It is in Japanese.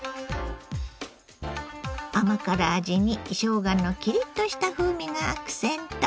甘辛味にしょうがのキリッとした風味がアクセント。